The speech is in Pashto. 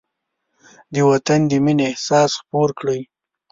د وطن د مینې احساس خپور کړئ.